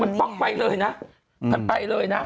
มันป๊อกไปเลยนะมันไปเลยนะ